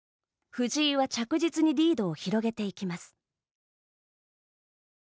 藤井は着実にリードを広げていきます。